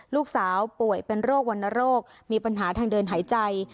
ลูกสาวป่วยเป็นโรควรรณโรคมีปัญหาทางเดินหายใจ